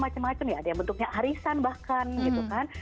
dan itu bisa macam macam ya ada yang bentuknya harisan bahkan gitu kan